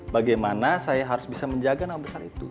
bagaimana saya harus bisa menjaga nama besar itu